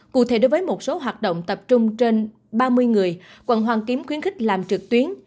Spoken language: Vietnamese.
cụ thể đối với một số hoạt động tập trung trên ba mươi người quận hoàn kiếm khuyến khích làm trực tuyến